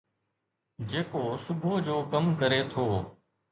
جيڪو صبح جو ڪم ڪري ٿو